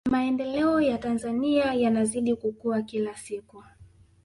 maendeleo ya tanzania yanazidi kukua kila siku